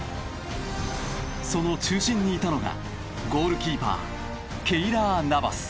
その中心にいたのがゴールキーパーケイラー・ナバス。